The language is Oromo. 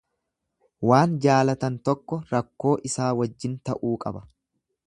Waan jaalatan tokko rakkoo isaa wajjin ta'uu qaba.